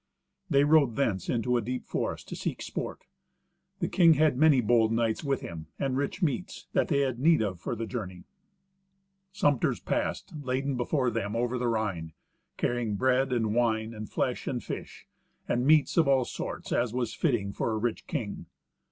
They rode thence into a deep forest to seek sport. The king had many bold knights with him, and rich meats, that they had need of for the journey. Sumpters passed laden before them over the Rhine, carrying bread and wine, and flesh and fish, and meats of all sorts, as was fitting for a rich king.